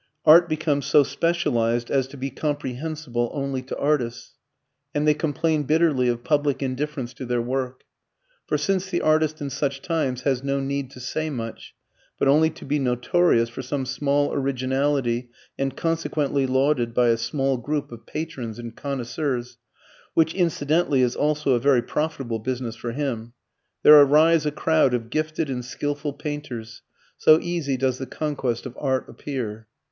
Art becomes so specialized as to be comprehensible only to artists, and they complain bitterly of public indifference to their work. For since the artist in such times has no need to say much, but only to be notorious for some small originality and consequently lauded by a small group of patrons and connoisseurs (which incidentally is also a very profitable business for him), there arise a crowd of gifted and skilful painters, so easy does the conquest of art appear.